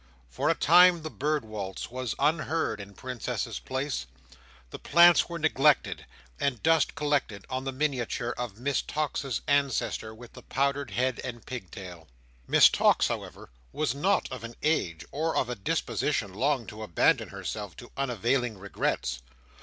For a time the Bird Waltz was unheard in Princess's Place, the plants were neglected, and dust collected on the miniature of Miss Tox's ancestor with the powdered head and pigtail. Miss Tox, however, was not of an age or of a disposition long to abandon herself to unavailing regrets.